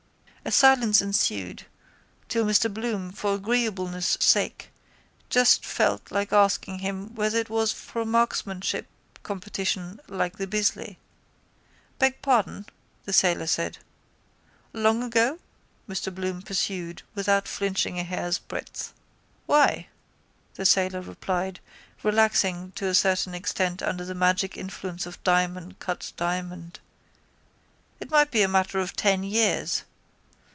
_ A silence ensued till Mr Bloom for agreeableness' sake just felt like asking him whether it was for a marksmanship competition like the Bisley. —Beg pardon, the sailor said. —Long ago? Mr Bloom pursued without flinching a hairsbreadth. —Why, the sailor replied, relaxing to a certain extent under the magic influence of diamond cut diamond, it might be a matter of ten years.